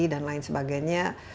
dan lain sebagainya